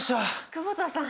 久保田さん。